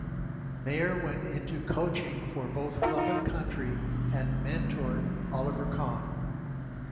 Maier went into coaching for both club and country and mentored Oliver Kahn.